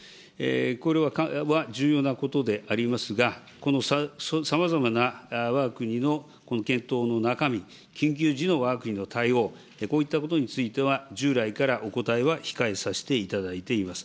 これは重要なことでありますが、このさまざまなわが国の検討の中身、緊急時のわが国の対応、こういったことについては従来からお答えは控えさせていただいております。